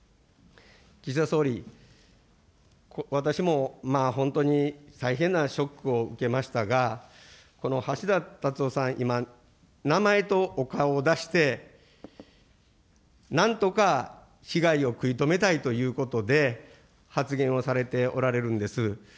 岸田総理、私も本当に大変なショックを受けましたが、この橋田達夫さん、今、名前とお顔を出して、なんとか被害を食い止めたいということで発言をされておられるんです。